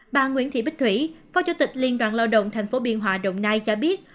bà nguyễn thị bích thủy phó chủ tịch liên đoàn lao động tp biên hòa đồng nai cho biết